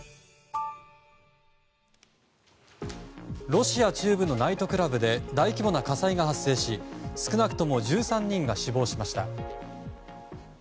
ロシア中部のナイトクラブで大規模な火災が発生し少なくとも１３人が死亡しました。